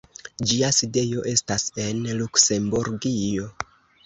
Ĝia sidejo estas en Luksemburgio.